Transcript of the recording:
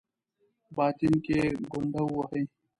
باطن کې ګونډه ووهي.